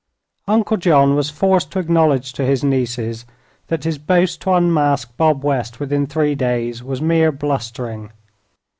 Uncle John was forced to acknowledge to his nieces that his boast to unmask Bob West within three days was mere blustering.